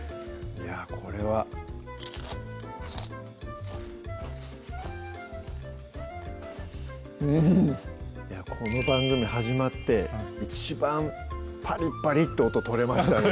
いやこれはうんこの番組始まって一番パリパリッて音とれましたね